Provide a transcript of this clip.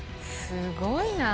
すごいな。